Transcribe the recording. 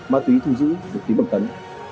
ma túy thu giữ được tí bằng tấn